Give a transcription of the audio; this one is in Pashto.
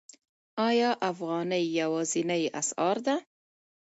آیا افغانۍ یوازینۍ اسعار ده؟